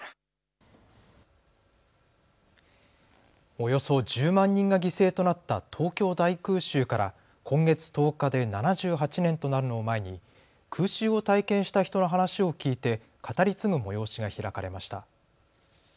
およそ１０万人が犠牲となった東京大空襲から今月１０日で７８年となるのを前に空襲を体験した人の話を聞いて語り継ぐ催しが開かれました。